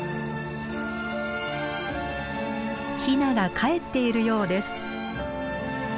ヒナがかえっているようです。